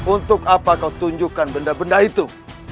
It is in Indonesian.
untuk apa kau tunjukkan benda benda itu